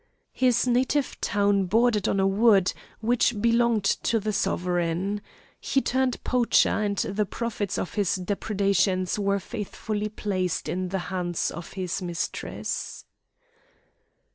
His native town bordered on a wood, which belonged to the sovereign; he turned poacher, and the profits of his depredations were faithfully placed in the hands of his mistress.